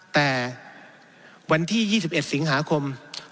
แต่วันที่๒๑สิงหาคม๒๕๖